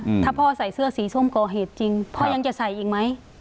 อืมถ้าพ่อใส่เสื้อสีส้มก่อเหตุจริงพ่อยังจะใส่อีกไหม